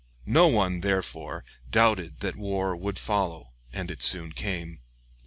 No one, therefore, doubted that war would follow, and it soon came.